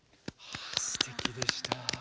ああすてきでした。